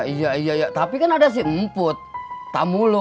iya iya iya tapi kan ada si emput tamu lo